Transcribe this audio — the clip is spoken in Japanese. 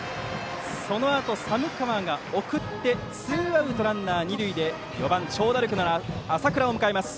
そのあと寒川が送ってツーアウトランナー、二塁で４番、長打力のある浅倉を迎えます。